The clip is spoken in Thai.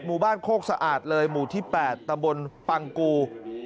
หมู่บ้านโคกสะอาดเลยหมู่ที่๘ตำบลปังกู